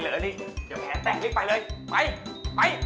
เดี๋ยวแผนแตกรีบไปเลยไปไป